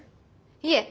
いえ